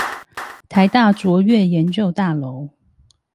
臺大卓越研究大樓